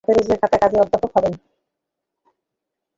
হাতে রেজিস্ট্রি খাতা, কাজেই অধ্যাপক হবেন।